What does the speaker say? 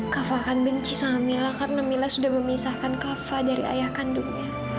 kak fah akan benci sama mila karena mila sudah memisahkan kak fah dari ayah kandungnya